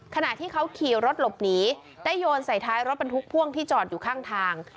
ขณะที่เขาขี่รถหลบหนีได้โยนใส่ท้ายรถบรรทุกพ่วงที่จอดอยู่ข้างทาง